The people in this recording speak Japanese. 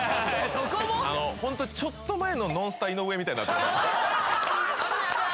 あのホントちょっと前のノンスタ井上みたいになってます